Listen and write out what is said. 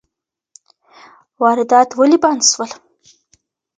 واردات ولي بند سول؟